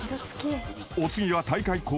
［お次は大会恒例］